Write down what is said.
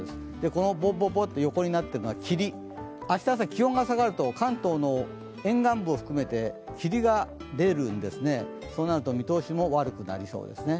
この横になってるのは霧、明日の朝、気温が下がると関東の沿岸部を含めて霧が出るんですね、そうなると見通しも悪くなりそうですね。